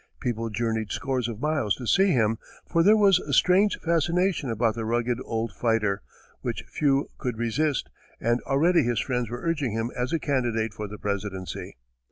People journeyed scores of miles to see him, for there was a strange fascination about the rugged old fighter which few could resist, and already his friends were urging him as a candidate for the presidency.